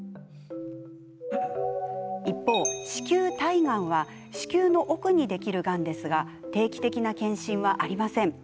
一方、子宮体がんは子宮の奥にできるがんですが定期的な検診はありません。